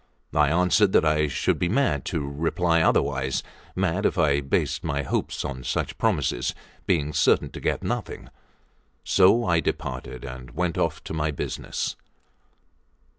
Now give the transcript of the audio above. I answered that I should be mad to reply otherwise mad if I based my hopes on such promises, being certain to get nothing. So I departed, and went off to my business.